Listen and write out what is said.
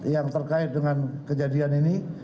yang terkait dengan kejadian ini